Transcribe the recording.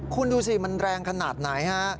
คุณดูสิมันแรงขนาดไหนฮะ